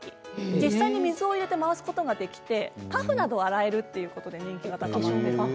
実際に水を入れて回すことができてパフなどが洗えるということで人気が高まっています。